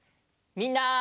みんな。